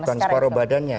bukan separuh badannya